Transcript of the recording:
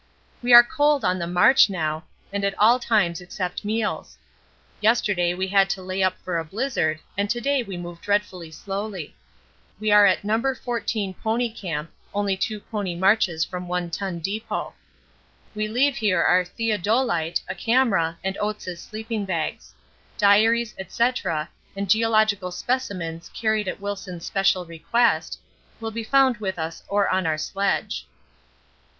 We are cold on the march now, and at all times except meals. Yesterday we had to lay up for a blizzard and to day we move dreadfully slowly. We are at No. 14 pony camp, only two pony marches from One Ton Depôt. We leave here our theodolite, a camera, and Oates' sleeping bags. Diaries, &c., and geological specimens carried at Wilson's special request, will be found with us or on our sledge.